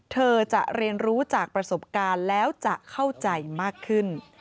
เธอจะเรียนรู้จากประสบการณ์แล้วจะเข้าใจมากขึ้น